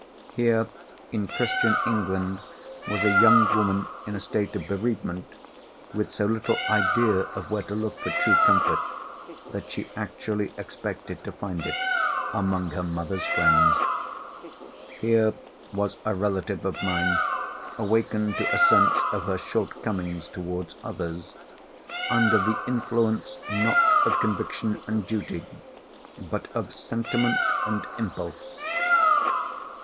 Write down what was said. Here in Christian England was a young woman in a state of bereavement, with so little idea of where to look for true comfort, that she actually expected to find it among her mother's friends! Here was a relative of mine, awakened to a sense of her shortcomings towards others, under the influence, not of conviction and duty, but of sentiment and impulse!